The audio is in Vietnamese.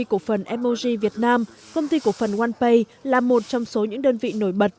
công ty cổ phần emoji việt nam công ty cổ phần onepay là một trong số những đơn vị nổi bật